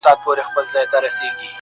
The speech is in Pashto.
خلک رټم کنځل ورته کوم